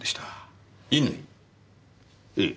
ええ。